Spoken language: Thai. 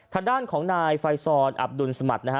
ธนด้านของนายไฟศรอับดุลสมัตย์